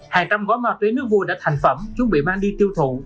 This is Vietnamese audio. hàng trăm gói ma túy nước vui đã thành phẩm chuẩn bị mang đi tiêu thụ